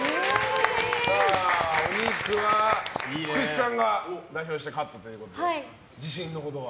お肉は福地さんが代表してカットということで自信のほどは？